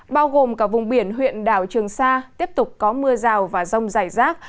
bao gồm cả vùng biển huyện đảo trường sa tiếp tục có mưa rào và rông dài rác